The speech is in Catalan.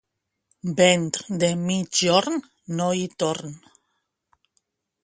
Vent de migjorn, no hi torn.